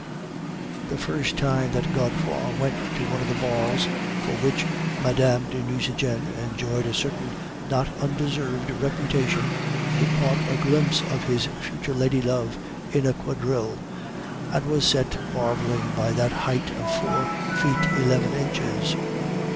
"The first time that Godefroid went to one of the balls for which Mme. de Nucingen enjoyed a certain not undeserved reputation, he caught a glimpse of his future lady love in a quadrille, and was set marveling by that height of four feet eleven inches.